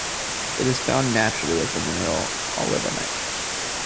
It is found naturally as the mineral olivenite.